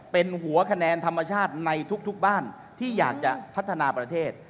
เป็นหัวคะแนนธรรมชาติในทุกบ้านที่อยากจะพัฒนาประเทศ